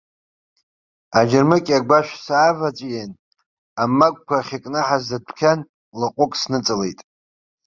Аџьармыкьа агәашә сааваҵәиин, амагәқәа ахьыкнаҳаз дәқьан лаҟәык сныҵалеит.